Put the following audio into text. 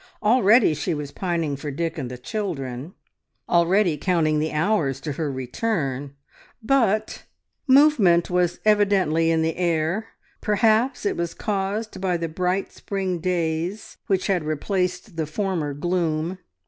Already she was pining for Dick and the children; already counting the hours to her return, but... Movement was evidently in the air; perhaps it was caused by the bright, spring days which had replaced the former gloom.